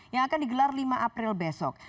yang akan digelar lima april besok